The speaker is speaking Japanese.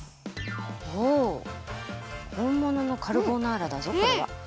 おほんもののカルボナーラだぞこれは。